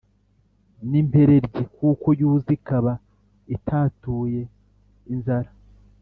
N impereryi kuko yuza ikaba itatuye inzara